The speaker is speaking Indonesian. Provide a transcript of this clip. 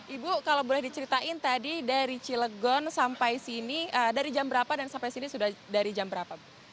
ibu kalau boleh diceritain tadi dari cilegon sampai sini dari jam berapa dan sampai sini sudah dari jam berapa